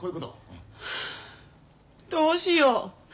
はあどうしよう。